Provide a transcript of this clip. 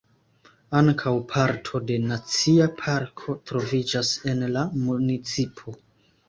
Ankaŭ parto de nacia parko troviĝas en la municipo.